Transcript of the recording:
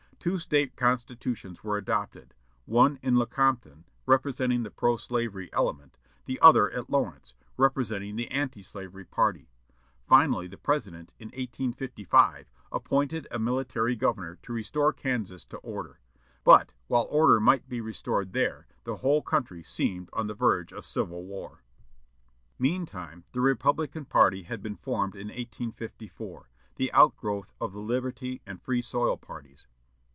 Two State constitutions were adopted: one at Lecompton, representing the pro slavery element; the other at Lawrence, representing the anti slavery party. Finally, the President, in 1855, appointed a military governor to restore Kansas to order. But, while order might be restored there, the whole country seemed on the verge of civil war. Meantime the Republican party had been formed in 1854, the outgrowth of the "Liberty" and "Free Soil" parties.